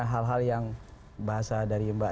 hal hal yang bahasa dari mbak